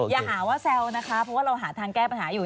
อย่าหาว่าแซวนะคะเพราะว่าเราหาทางแก้ปัญหาอยู่